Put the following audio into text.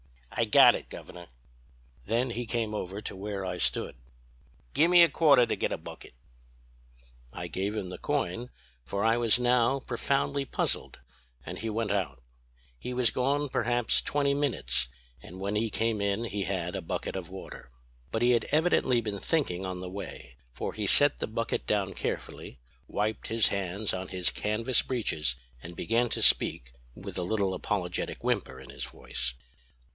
"'I got it, Governor!' Then he came over to where I stood. 'Gimme a quarter to git a bucket.' "I gave him the coin, for I was now profoundly puzzled, and he went out. He was gone perhaps twenty minutes, and when he came in he had a bucket of water. But he had evidently been thinking on the way, for he set the bucket down carefully, wiped his hands on his canvas breeches, and began to speak, with a little apologetic whimper in his voice.